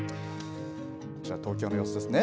こちら、東京の様子ですね。